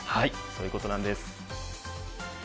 そういうことなんです。